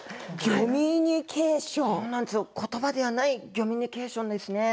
ことばではないギョミュニケーションですね。